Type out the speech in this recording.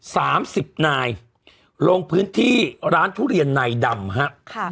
สามสิบนายลงพื้นที่ร้านทุเรียนนายดำฮะค่ะ